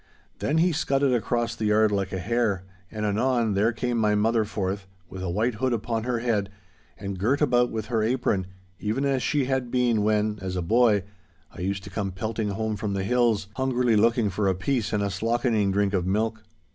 Then he scudded across the yard like a hare, and, anon, there came my mother forth, with a white hood upon her head, and girt about with her apron—even as she had been when, as a boy, I used to come pelting home from the hills, hungrily looking for a piece and a slockening drink of milk.